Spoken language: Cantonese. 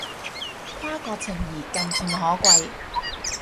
跨國情誼更見可貴